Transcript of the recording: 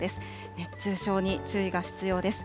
熱中症に注意が必要です。